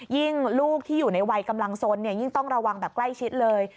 ลูกที่อยู่ในวัยกำลังสนยิ่งต้องระวังแบบใกล้ชิดเลย